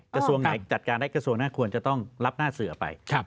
กระทรวงไหนจัดการได้กระทรวงหน้าควรจะต้องรับหน้าเสือไป